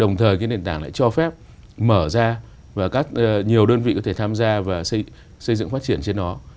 đồng thời cái nền tảng lại cho phép mở ra và nhiều đơn vị có thể tham gia và xây dựng phát triển trên nó